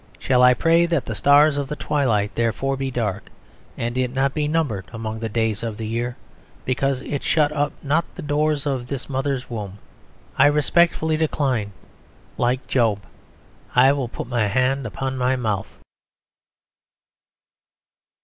Shall I pray that the stars of the twilight thereof be dark and it be not numbered among the days of the year, because it shut not up the doors of his mother's womb? I respectfully decline; like Job, I will put my hand upon my mouth.